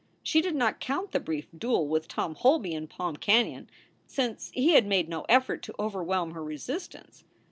She did not count the brief duel with Tom Holby in Palm Canon, since he had made no effort to overwhelm her resistance.